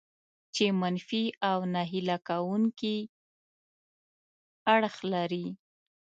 چې منفي او ناهیله کوونکي اړخ لري.